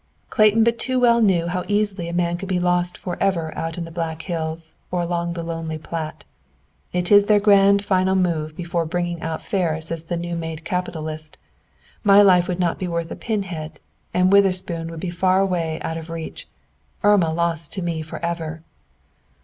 Clayton but too well knew how easily a man could be lost forever out in the Black Hills, or along the lonely Platte. "It is their grand final move before bringing out Ferris as the new made capitalist. My life would not be worth a pin head. And Witherspoon would be far away out of reach. Irma lost to me forever!"